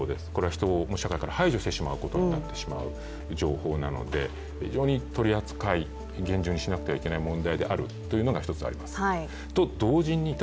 人を社会から排除してしまうことになってしまう情報なので非常に取り扱い、厳重にしなくては問題であるというのが１つあります。